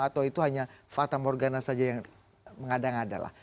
atau itu hanya fatah morgana saja yang mengadang adalah